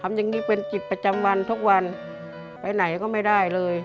อย่างนี้เป็นจิตประจำวันทุกวันไปไหนก็ไม่ได้เลย